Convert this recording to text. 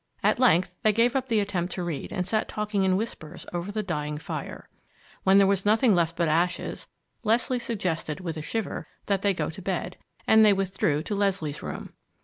At length they gave up the attempt to read and sat talking in whispers over the dying fire. When there was nothing left but ashes, Leslie suggested, with a shiver, that they go to bed, and they withdrew to Leslie's room.